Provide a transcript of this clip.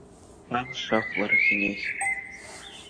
Амш ахәларахь инеихьан.